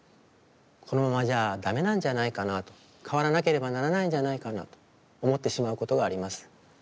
このままじゃダメなんじゃないかなと変わらなければならないんじゃないかなと思ってしまうことがあります。